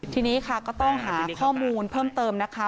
ทีนี้ค่ะก็ต้องหาข้อมูลเพิ่มเติมนะคะ